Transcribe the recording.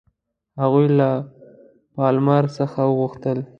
هغوی له پالمر څخه وغوښتل.